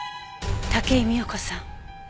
武井美代子さん